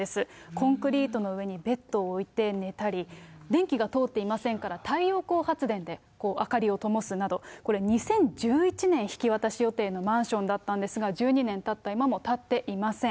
コンクリートの上にベッドを置いて寝たり、電気が通っていませんから、太陽光発電で明かりをともすなど、これ、２０１１年引き渡し予定のマンションだったんですが、１２年たった今も建っていません。